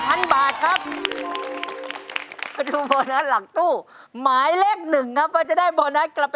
โอ้ยโชคดีนะครับ